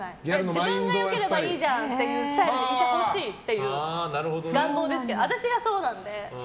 自分がよければいいじゃんとかっていうスタイルでいてほしいという願望ですけど私がそうなので。